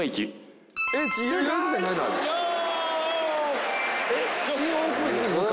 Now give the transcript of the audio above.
よし！